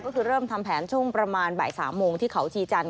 ก็คือเริ่มทำแผนช่วงประมาณบ่าย๓โมงที่เขาชีจันท